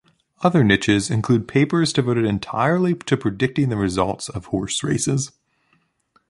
Other niches include papers devoted entirely to predicting the results of horse races.